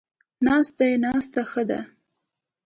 ناست دی، ناسته ښه ده